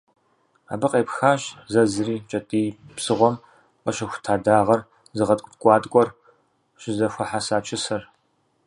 Абы къепхащ зэзри - кӏэтӏий псыгъуэм къыщыхута дагъэр зыгъэткӏу ткӏуаткӏуэр щызэхуэхьэса «чысэр».